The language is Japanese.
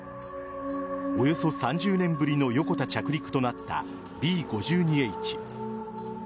およそ３０年ぶりの横田着陸となったＢ‐５２Ｈ。